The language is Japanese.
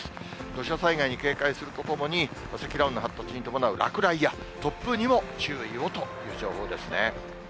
土砂災害に警戒するとともに、積乱雲の発達に伴う落雷や突風にも注意をという情報ですね。